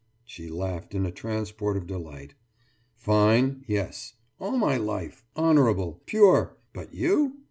« She laughed in a transport of delight. »Fine? Yes. All my life! Honourable! Pure! But you?